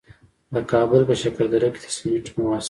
د کابل په شکردره کې د سمنټو مواد شته.